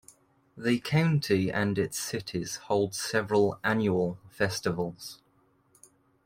The County and its Cities hold several annual festivals.